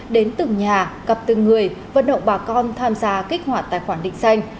đến từng nhà gặp từng người vận động bà con tham gia kích hoạt tài khoản định danh